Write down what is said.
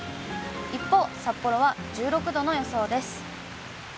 一方、札幌は１６度の予想です。